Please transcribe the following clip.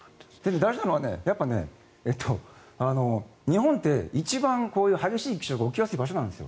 大事なのは日本って一番こういう激しい気象が起きやすい場所なんですよ。